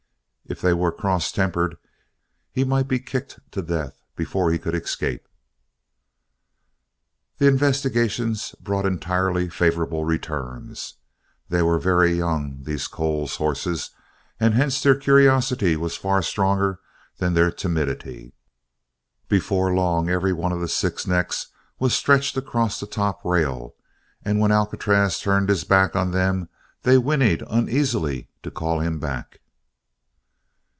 If they were cross tempered he might be kicked to death before he could escape. The investigations brought entirely favorable returns. They were very young, these Coles horses, and hence their curiosity was far stronger than their timidity. Before long every one of the six necks was stretched across the top rail and when Alcatraz turned his back on them they whinnied uneasily to call him back.